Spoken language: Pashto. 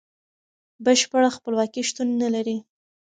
بشپړه خپلواکي شتون نلري.